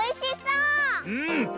うん！